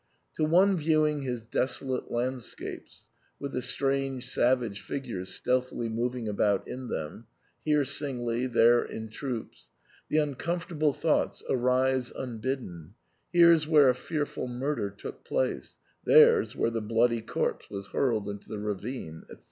To one viewing his desolate land scapes, with the strange savage figures stealthily mov ing about in them, here singly, there in troops, the un comfortable thoughts arise unbidden, " Here's where a fearful murder took place, there's where the bloody corpse was hurled into the ravine," etc.